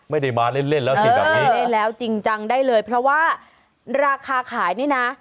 ไม่ได้มาเล่นเล่นแล้วสิแบบนี้เล่นแล้วจริงจังได้เลยเพราะว่าราคาขายนี่นะ